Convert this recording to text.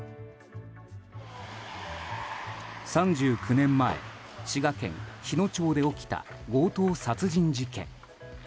３９年前滋賀県日野町で起きた強盗殺人事件。